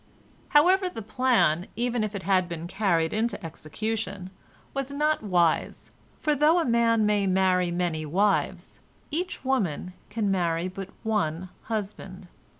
However, the plan, even if it had been carried into execution, was not wise, for though a man may marry many wives, each woman can marry but one husband.